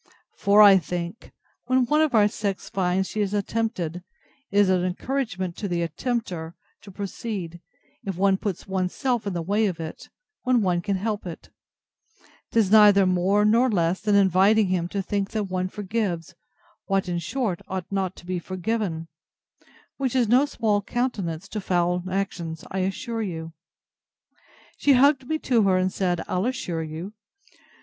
For, I think, when one of our sex finds she is attempted, it is an encouragement to the attempter to proceed, if one puts one's self in the way of it, when one can help it: 'Tis neither more nor less than inviting him to think that one forgives, what, in short, ought not to be forgiven: Which is no small countenance to foul actions, I'll assure you. She hugged me to her, and said I'll assure you!